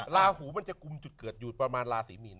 ลาหูมันจะกุมจุดเกิดอยู่ประมาณราศีมีน